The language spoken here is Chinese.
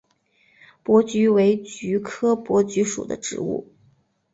珀菊为菊科珀菊属的植物。